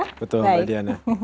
betul mbak diana